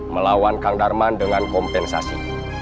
melawan kang darman dengan kompensasi